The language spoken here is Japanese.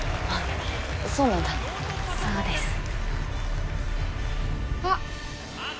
あっ。